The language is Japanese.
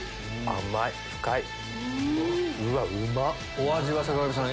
お味は坂上さん